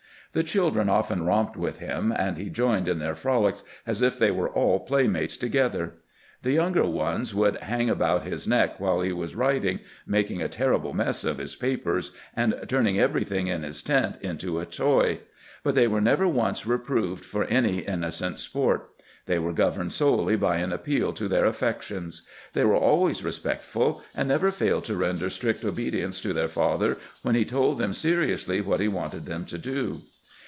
The children often romped with him, and he joined in their frolics as if they were all playmates together. The younger ones would hang about his neck while he was writing, make a terrible mess of his papers, and turn everything in his 284 CAMPAIGNING WITH GEANT tent into a toy : but they were never once reproved for any innocent sport; they were governed solely by an appeal to their affections. They were always respectful, and never failed to render strict obedience to their father when he told them seriously what he wanted them to do.